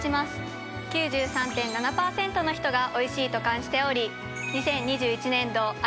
９３．７％の人がおいしいと感じており２０２１年度